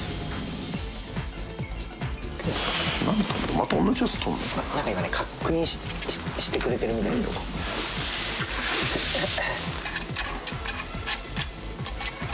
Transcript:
また同じやつ撮んのかな今ね確認してくれてるみたいですえっ